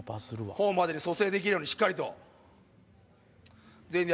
ホームまでに蘇生できるようにしっかりと。